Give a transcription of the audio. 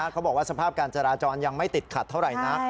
เขาบอกว่าสภาพการจราจรยังไม่ติดขัดเท่าไหร่นะ